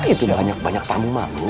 itu banyak banyak tamu malu